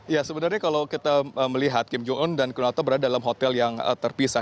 ya sebenarnya kalau kita melihat kim jong un dan kunoto berada dalam hotel yang terpisah